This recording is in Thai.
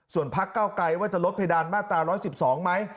ส่วนพักเก้าไกลว่าจะลดเพดานมาตรา๑๑๒ไหม